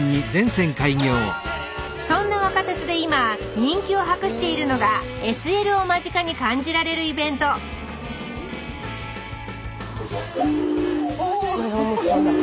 そんな若鉄で今人気を博しているのがＳＬを間近に感じられるイベントお！